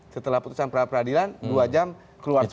setelah putusan pra peradilan dua jam keluar saja